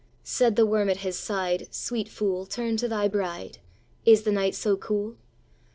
Said the worm at his side, Sweet fool, Turn to thy bride; Is the night so cool?